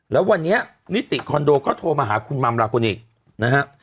แล้ววันนี้นิติคอนโดก็โทรมาหาคุณมัมลาคุณอีกนะฮะ